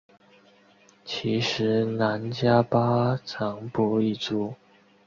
其时喃迦巴藏卜已卒。